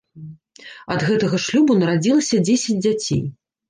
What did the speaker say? Ад гэтага шлюбу нарадзілася дзесяць дзяцей.